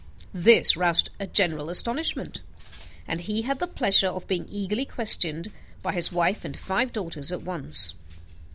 This roused a general astonishment; and he had the pleasure of being eagerly questioned by his wife and five daughters at once.